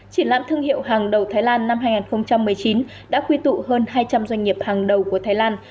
triển lãm thương hiệu hàng đầu thái lan năm hai nghìn một mươi chín đã quy tụ hơn hai trăm linh doanh nghiệp hàng đầu của thái lan